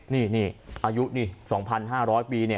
นี่นี่อายุนี่๒๕๐๐ปีเนี่ย